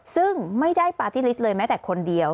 ซึ่งไม่ได้ปาร์ตี้ลิสต์เลยแม้แต่คนเดียว